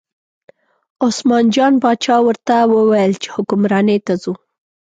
عثمان جان باچا ورته وویل چې حکمرانۍ ته ځو.